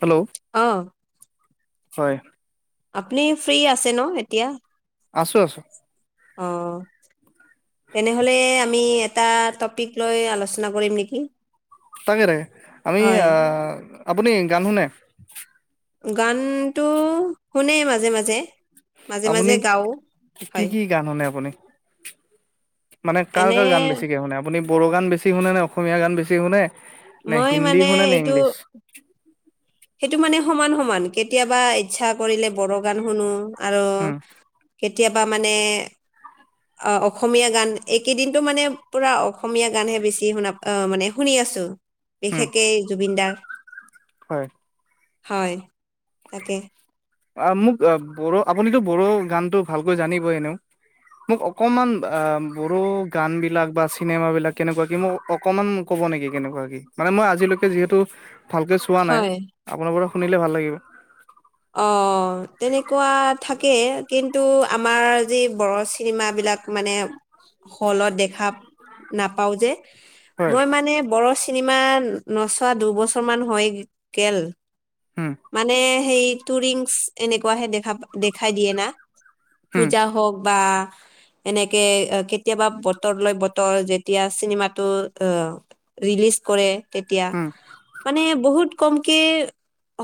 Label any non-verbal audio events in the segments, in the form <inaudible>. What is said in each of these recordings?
Hello? অ'। হয়। আপুনি ফ্ৰী আছে ন এতিয়া? আছো আছো। অ', তেনেহলে আমি এটা টপিক লৈ আলোচনা কৰিম নেকি। তাকে তাকে আমি হয় আপুনি গান শুনে? গানতটো শুনে মাজে মাজে। মাজে আপুনি মাজে গাওঁ কি হয় কি গান শুনে আপুনি? মানে কাৰ এনে কাৰ গান বেছিকে শুনে আপুনি বড়ো গান বেছি শুনে নে অসমীয়া গান বেছি শুনে নাই মই হিন্দী মানে শুনে নে এইটো ইংলিছ? সেইটো মানে সমান সমান কেতিয়াবা ইচ্ছা কৰিলে বড়ো গান শুনো আৰু উম কেতিয়াবা মানে অ অসমীয়া গান এইকেইদিনটো মানে পুৰা অসমীয়া গানহে বেছি শুনা আহ মানে শুনি আছো। উম বিশেষকেই জুবিনদাৰ। হয়। হয় তাকে। অ', মোক ব়ো আপুনিতো বড়ো গানতো ভালকৈ জানিবই এনেও। মোক অকমান আ ব়ো গান বিলাক বা চিনেমা বিলাক কেনেকুৱা কি মোক অকমান কব নেকি কেনেকুৱা কি মানে মই আজিলৈকে যিহেতু ভালকৈ চোৱা নাই হয় আপোনাৰ পৰা শুনিলে ভাল লাগিব। অ', তেনেকুৱা থাকে। কিন্তু আমাৰ যি বড় চিনেমাবলাক মানে হলত দেখা নাপাওঁ যে। হয় মই মানে বড়ো চিনেমা নচোৱা দুবছৰ মান হৈ গেল। উম মানে সেই টুৰিংচ এনেকুৱাহে দেখা দেখাই দিয়ে না। উম পূজা হওক বা এনেকে কেতিয়াবা বতৰ লৈ বতৰ যেতিয়া চিনেমাটো আহ ৰিলিজ কৰে। তেতিয়া উম, মানে বহুত কমকে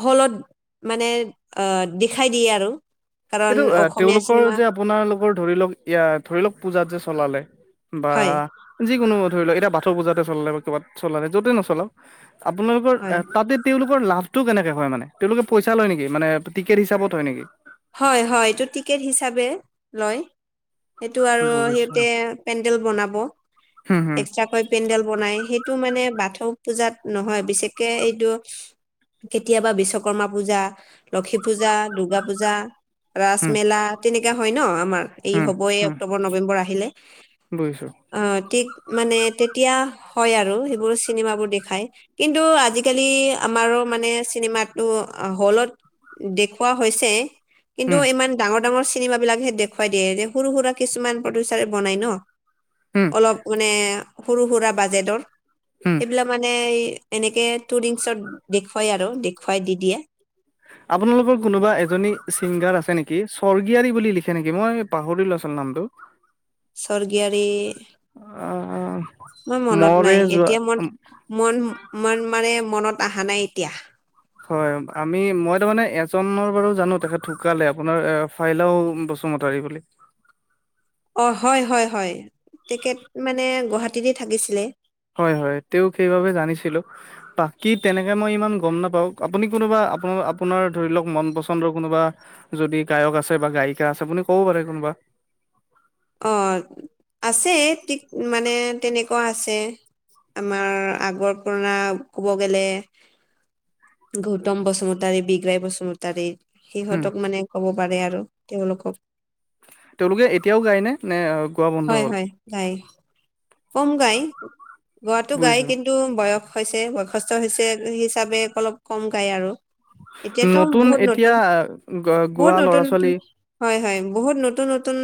হলত মানে অ', দেখাই দিয়ে আৰু। কাৰণ এইটো এ অসমীয়া তেওঁলোকৰ চিনেমা যে আপোনালোকৰ ধৰি লওক ই ধৰি লওক পূজাত যে চলালে বা হয় যিকোনো ধৰি লওক এতিয়া বাথৌ পূজাতে চলালে বা কৰবাত চলালে য'তে নচলাও আপোনালোকৰ হয় তাতে তেওঁলোকৰ লাভটো কেনেকে হয় মানে তেওঁলোকে পইচা লয় নেকি মানে টিকেট হিচাপত হয় নেকি? হয় হয়, এইটো টিকেট হিচাপে লয়। সেইটো আৰু বুজিছো সিহতে পেডেল বনাব, হুম হুম এক্সা পেণ্ডেল বনাই সেইটো মানে বাথৌ পূজাত নহয় বিশেষকে এইটো কেতিয়াবা বিশ্বকৰ্মা পূজা, লক্ষী পূজা, দূৰ্গা পূজা হুম ৰাজমেলা তেনেকা হয় ন আমাৰ এই হুম হ'ব এই হুম অক্টোবৰ নৱেম্বৰ আহিলে। বুজিছো অ' ঠিক মানে তেতিয়া হয় আৰু সেইবোৰ চিনেমাবোৰ দেখায়। কিন্তু আজিকালি আমাৰো মানে চিনেমাটো হলত দেখুওৱা হৈছে। কিন্তু হুম ইমান ডাঙৰ ডাঙৰ চিনেমাাবলাকহে দেখুৱাই দিয়ে যে সৰু সুৰা কিছুমান প্ৰডিউচাৰে বনাই ন'। হুম অলপ মানে সৰু সুৰা বাজেটৰ হুম সেইবিলাক মানে এনেকে টুৰিংচত দেখুৱাই আৰু দেখুৱাই দি দিয়ে। আপোনালোকৰ কোনোবা এজনী ছিংগাৰ আছে নেকি স্বৰ্গীয়াৰী বুলি লিখ খে নেকি মই পাহৰিলো আচল নামটো। স্বৰ্গীয়ী অ', অ', মৰে যোৱা মন-মন মানে মনত আহা নাই এতিয়া। হয় আমি মই তাৰ মানে এজনৰ বাৰু জানো তেখেত ঢুকালে আপোনাৰ এ ফাইলাও বস্তু সুমতাৰী বুলি। অ' হয় হয় হয়, তেখেত মানে গুৱাহাটীতে থাকিছিলে। হয় হয়, তেওঁক সেইবাবে জানিছিলোঁ। বাকী তেনেকে মই ইমান গম নাপাওঁ আপুনি কোনোবা আপোনা-আপোনাৰ ধৰি লওক মন পচন্দৰ কোনোবা যদি গায়ক আছে বা গায়িকা আছে বুলিপুনি কব পাৰে কোনোবা। অ' আছে ঠিক মানে তেনেকুৱা আছে। আমাৰ আগৰ পুৰণা ক'ব গলে গৌতম বসুতাৰী বিগ্ৰাই বসুমতাৰী হুম সিহঁতক মানে ক'ব পাৰে আৰু তেওঁলোকক। তেওঁলোকে এতিয়াও গায়নে নে গোৱা বন্ধ হয় হ'ল? হয় গায়, কম গাই, গোৱটো গায় বুজিছোঁ কিন্তু টো বয়স হৈছে বয়সস্থ হৈছে হিচাপে অলপ কম গায় আৰু। এতিয়াতো নতুন বহুত এতিয়া নতুন, গ বহুত গোৱা নতুন ল'ৰা ছোৱালী নতুন হয় হয়, বহুত নতুন নতুন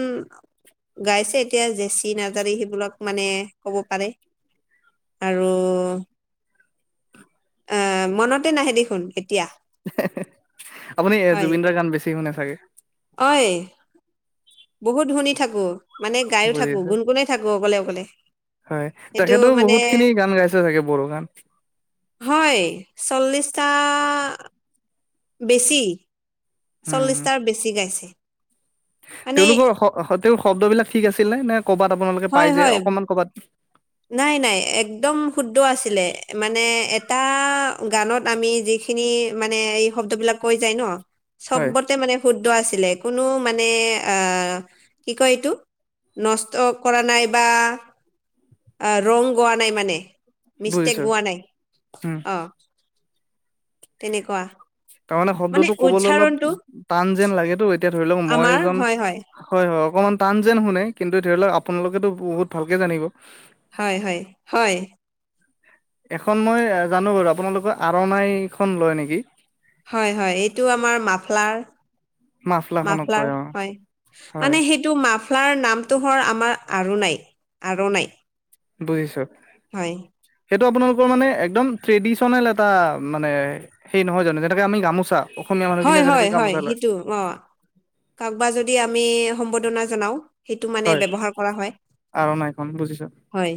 গাইছে এতিয়া জেচি নাৰ্জাৰী সেইবিলাক। মানে কব পাৰে, আৰু আহ মনতে নাহে দেখোন এতিয়া। আপুনি জুবিনদাৰ গান বেছি শুনে চাগে। অই। বহুত শুনি থাকো মানে গায়ো থাকো বুজিছোঁ গুণ গুণাই থাকো অকলে অকলে। হয়, সেইটো তেখেতেও মানে বহুত খিনি গান গাইছে চাগে বড়ো গান। হয়, চল্লিছটা বেছি। উম চল্লিশটাৰ বেছি গাইছে। মানে তেওঁলোকৰ শ তেওঁৰ শব্দ বিলাক ঠিক আছিল নে? নে ক'বাত আপোনালোকে হয় পাই যে হয় অকণমান কবাত নাই নাই একদম শুদ্ধ আছিলে মানে এটা গানত আমি যি খিনি মানে এই শব্দ বিলাক কৈ যায় ন হয় চব্বতে মানে শুদ্ধ আছিলে কোনো মানে আ কি কয় এইটো। নষ্ট কৰা নাই বা ৰং গোৱা নাই মানে বুজিছো মিষ্টেক গোৱা নাই উম অ'। তেনেকুৱা। তাৰমানে মানে শব্দটো কবলৈ অলপ উচ্চাৰণটো টান যেন লাগেতো এতিয়া ধৰি লওক মই আমাৰ এজন হয় হয় হয়, অকমান টান যেন শুনে কিন্তু ধৰি লওক আপোনালোকেতো বহুত ভালকে জানিব। হয় হয়, হয়। এখন মই জানো বাৰু আপোনালোকৰ আৰনাইখন লয় নেকি। হয় হয় এইটো আমাৰ মাফলাৰ মাফলাখনক মাফলাৰ কয় অ হয় হয় মানে সে <unintelligible> ইটো মাফলাৰ নামটো হয় আমাৰ আৰনাই আৰনাই বুজিছোঁ হয় সেইটো আপোনালোকৰ মানে একদম ট্ৰেডিশনেল এটা মানে সেই নহয় জানো যেনেকে আমি গামোচা অসমীয়া হয় মানুহখিনিয়ে যেনেকে হয় হয় গামোচা লয় সেইটো অ কাকবা যদি আমি সম্বৰ্ধনা জনাও সেইটো মানে হয় ব্যৱহাৰ কৰা হয় আৰনাইখন হয়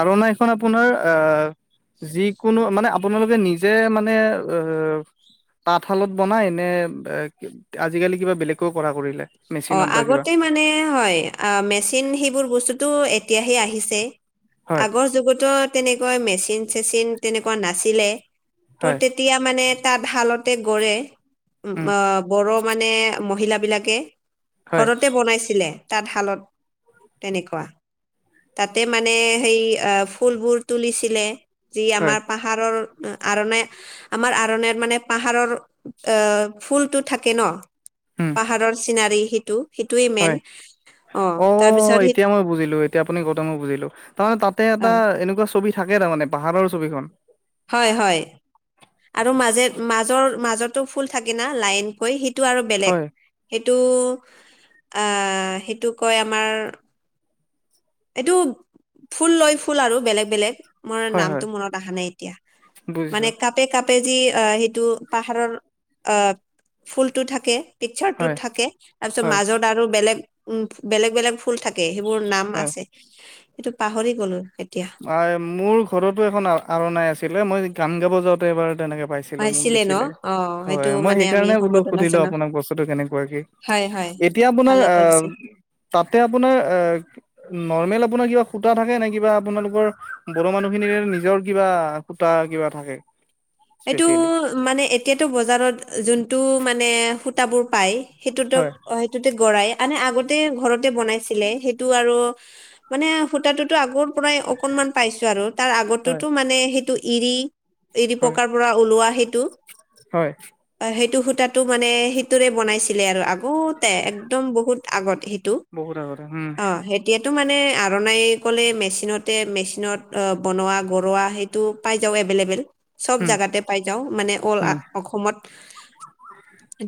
আৰনা এখন আপোনাৰ এ যিকোনো মানে <unintelligible> আপোনালোকে নিজে মানে এ- তাঁতশালত বনাই নে আজিকালি কিবা বেলেগকেও কৰা কৰিলে অ মেচিনত বা কিবা আগতে মানে হয় মেচিন সেইবোৰ বস্তুটো এতিয়াহে আহিছে হয় আগৰ যুগতো তেনেকৈ মেচিন চেচিন তেনেকুৱা নাছিলে ত' হয় তেতিয়া মানে তাঁত শালতে গ়ঢ়ে উম বড় মানে মহিলাবিলাকে হয় ঘৰতে বনাইছিলে তাঁত শালত তেনেকুৱা তাতে মানে সেই আ ফুলবোৰ তুলিছিলে যি হয় আমাৰ প <unintelligible> পাহাৰৰ আৰনে আমাৰ আৰনে মানে পাহাৰৰ এ ফুলটো থাকে ন উম পাহাৰৰ চিনাৰী সেইটো হয় অ তাৰপিছত সি এতিয়া মই বুজিলো এতিয়া আপুনি কওঁতে মই বুজিলো তাৰমানে তাতে অ এটা এনেকুৱা ছবি থাকে তাৰমানে পাহাৰৰ ছবিখন হয় হয় আৰু মাজে মাজৰ মাজতো ফুল থাকে না লাইনকৈি সি <unintelligible> সিটো আৰু বেলেগ হয় সিটো আহ সিটো কয় আমাৰ এইটো ফুল লৈ ফুল আৰু বেলেগ বেলেগ মোৰ হয় হয় নামটো মনত আহা নাই এতিয়া বুজিছো মানে কাপে কাপে যে এ <unintelligible> ইটো পাহাৰৰ অ ফুলটো থাকে পিকচাৰটো হয় থাকে তাৰপিছত হয় মাজৰ <unintelligible> আৰু বেলেগ উম বেলেগ বেলেগ ফুল থাকে সেইবোৰ নাম হয় আছ <unintelligible> এইটো পাহৰি গলো এতিয়া এ মোৰ ঘৰতো এখন আৰনাই আছিলে মই গান গাব যাওঁতে এবাৰ তেনেকে পাই <unintelligible> <unintelligible> মোক পাইছিলে ন দিছিলে অ সেইটো হয় মই মানে আমি সেইকাৰণে বোলো সম্বৰ্ধনা সুধিলো জনা আপোনাক বস্তুটো কেনেকুৱা কি হয় হয় এতিয়া আপোনাৰ ভালে কৰিছে আহ তাতে আপোনাৰ অ নৰ্মেল আপোনাৰ কিবা সুতা থাকে নে কিবা তোমালোকৰ বড়ো মানুহ খিনিৰ নিজৰ কিবা সূতা কিবা থাকে এইটো স্পেচিয়েলি মানে এতিয়াতো বজাৰত যোনটো মানে সূতাবোৰ পায় সেইটোত হয় সেইটোতে গ়ই আনে আগতে ঘৰতে বনাইছিলে সেইটো আৰু মানে সূতাটোোতো আগৰ পৰাই অকনমান পাইছো আৰু তাৰ হয় আগততো মানে সেইটো এৰি হয় কাৰ পৰা ওলোৱা সেইটো হয় সেইটো সূতটো মানে স সৰে বনাইছিলে আৰু আগতে এক্দম বহুত আগত সেইটো বহুত আগতে উম অ সেই এতিয়াতো মানে আৰনাই ক'লে মেচিনতে মেচিনত বনোৱা গৰুৱা সেই মান উম অ উম অসম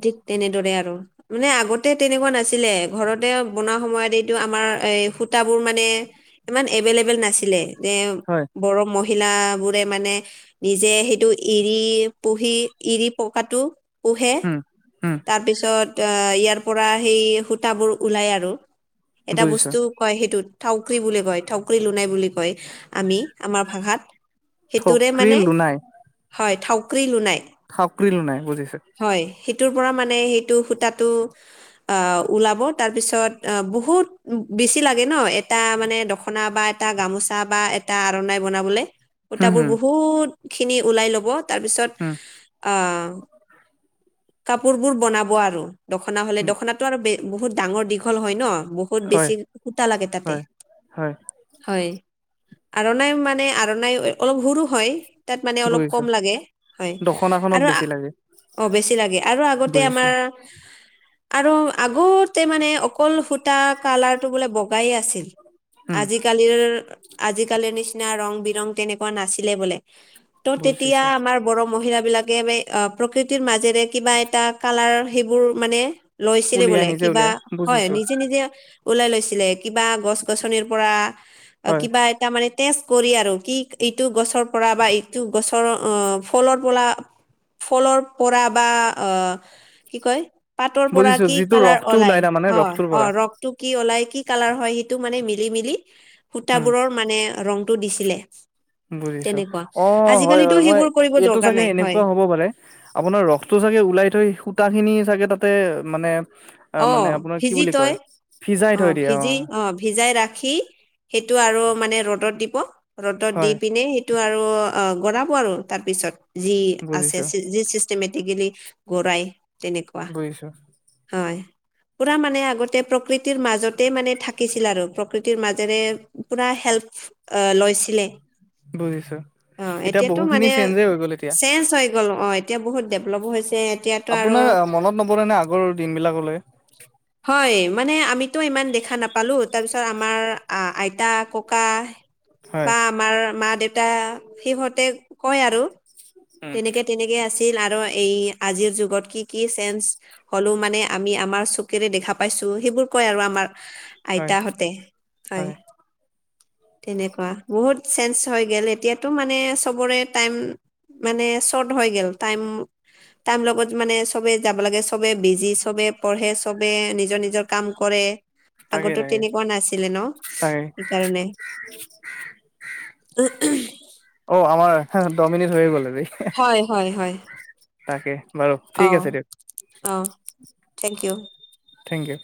ঠিক তেনেদৰে আৰু মানে আগতে তেনেকুৱা নাছিলে ঘৰতে বনোৱা সময়ত এইটো আমাৰ এ সূতাবোৰ মানে ইমান এভেইলেবল নাছিলে যে হয় বৰ মহিল বোৰে মানে নিজে সেইটো এৰি পুহি এৰি পকাটো পোহে উম উম তাৰ পিছত আ ইয়াৰ পৰা সেই সূতাবোৰ ওলাই আৰু এটা বুজিছো বস্তু কয় সেইটোত থউক বুলি কয় থউক লোনাই বুলি কয় আমি আমাৰ ভাষাত সেইটোৰে থঠকৰি মানে লোনাই হয় থউক্ৰী লুাই চাকৰিলো নাই বুজিছে হয় সেইটোৰ পৰা মানে সেইটো সূতাটো। অ, ওলাব তাৰ পিছত বহুত বেছি লাগে ন, এটা মানে দখনা বাট এটা গামোচা বা এটা আৰনাই বনাবলৈ। হম সুতাবোৰ বহুত খিনি ওলাই লব তাৰপিছত হম আহ। কাপোৰ বোৰ বনাব আৰু দখনা হলে উম দখনাতো আৰু বহুত ডাঙৰ দীঘল হয় ন বহুত। ক'ত হয় বেছি সূতা লাগে তাতে হয় হয় হয় আৰনাই মানে আৰনাই অলপ সুৰো হয়। তাত মানে অলপ বুজিছো কম লাগে হয় দখনাখনত আৰু। বেছি লাগে অ, বেছি লাগে আৰু আগতে বুজিছো আমাৰ আৰু আগতে মানে অকলু সুটা কালাৰটো বোলে বগাই আছিল উম আজিকালিৰ আজিকালিৰ নিচিনা ৰং, বিৰং তেনেকুৱা নাছিলে বোলে ত' তেতিয়া বুজিছো আমাৰ বৰ মহিল বিলাকে অ, প্ৰকৃতিৰ মাজেৰে কিবা এটা কালাৰ সেইবোৰ মানে লৈছিলে উলিয়াই বোলে নিজে কিবা উলিয়াই হয় বুজিছো নিজে, নিজে ওলাই লৈছিলে কিবা গছ-গছনিৰ পৰা হয় কিবা তাৰ মানে তেজ কৰি আৰু কি ইটো গছৰ পৰা বা ইটো গছৰ অ, ফলৰ পৰা ফলৰ পৰা বা অ, কি কয় পাতৰ পৰা বুজিছো কি যিটো কালাৰ ৰসটো ওলাই তাৰমানে অ', ৰসটোৰ পৰা অ', ৰখ টো কি ওলাই কি কালাৰ হয় সেইটো মানে মিলি, মিলি উম সুতাবোৰৰ মানে ৰংটো দিছিলে। উ বুজিছো অ, হয়, হয় মই সেইবোৰ কৰিব এইটো দৰকাৰ চাগে নাই হয় এনেকুৱা হ'ব বাৰে আপোনাৰ ৰসটো চাগে ওলাই থৈ সূতাখিনি চাগে তাতে মানে অ, মানে আপোনাৰ কি ভিজি বুলি তই কয় সিজাই অ, থৈ দিয়ে ভিজি অ, ভিজাই ৰাখি সেইটো আৰু মানে ৰ'দত দিব ৰ'দত দি হয় পিনে সেই আৰু গ, আৰু তাৰপিছত যি আ বুজিছো মোটি গেলি গৰাই তেনেকুৱা পছো। হয়। পুৰা মানে আগতে প্ৰকৃতিৰ মাজতে মানে থাকিছিল আৰু প্ৰকৃতিৰ মাজেৰে পুৰা হেল্প আহ, লৈছিলে। বুজিছো অ, এতিয়া এতিয়াতটো বহুখিনি মানে চেঞ্জেই হৈ গ'ল এতিয়া চেঞ্জ হৈ গ'ল অ'। এতিয়া বহুত ডেভেলপ হৈছে। এতিয়াতো আৰু আপোনাৰ মনত নপৰেনে আগৰ দিনবিলাকলৈ হয়, মানে আমিতো ইমান দেখা নাপালো তাৰপিছত আমাৰ আইতা ককা হয় বা আমাৰ মা-দেউতা সিহঁতে কয় আৰু। উম, তেনেকে, তেনেকে আছিল আৰু এই আজিৰ যুগত কি, কি চেঞ্চ হলেও মানে আমি আমাৰ চকেৰে দেখা পাইছো সেইবোৰ কয় আৰু আমাৰ হয়, আইতাহঁতে হয়। তেনেকুৱা বহুত চেঞ্জ হৈ গ'ল এতিয়াতো মানে চবৰে টাইম মানে শৰ্ট হৈ গ'ল টাইম। টাইম লগত মানে সবে যাব লাগে সবে বিজি চবে পঢ়ে, চবে নিজৰ নিজৰ কাম কৰে তাকে, আগতে, তাকে, তেনেকুৱা নাছিলে ন তাকে। সেইকাৰণে। <inaudible> <inaudible> অ, আমাৰ ডমিন হৈ গ'লি। হয়, হয়, হয়। তাকে বাৰু অ ঠিক আছে দিয়ক। অ, থেংক ইউ। Thank U.